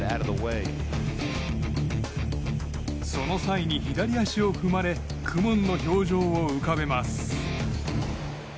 その際に左足を踏まれ苦悶の表情を浮かべます。